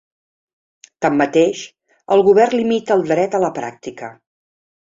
Tanmateix, el govern limita el dret a la pràctica.